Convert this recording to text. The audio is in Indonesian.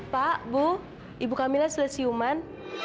pak bu ibu kamilah sudah siuman